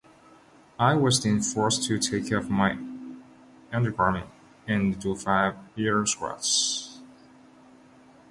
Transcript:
I was then forced to take off my undergarments and do five ear squats.